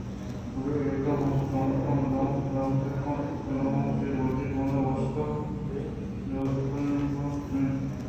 بلے ھُدا ھما سنگتاں مُدام سلامت بہ کنت کہ آ وتی راجی زبان ءِ واست ءَ جُھد کنگ ءَ اَنت۔